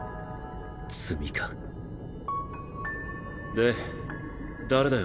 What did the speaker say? で誰だよ？